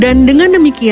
dan dengan demikian